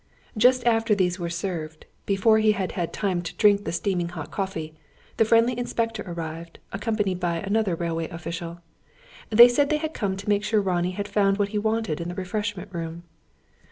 Just after these were served, before he had had time to drink the steaming hot coffee, the friendly inspector arrived, accompanied by another railway official. They said they had come to make sure Ronnie had found what he wanted in the refreshment room.